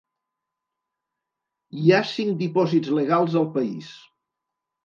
Hi ha cinc dipòsits legals al país.